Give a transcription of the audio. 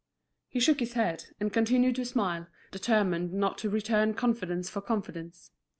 He shook his head, and continued to smile, determined not to return confidence for confidence.